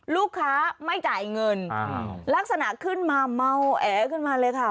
ลูกค้าไม่จ่ายเงินลักษณะขึ้นมาเมาแอขึ้นมาเลยค่ะ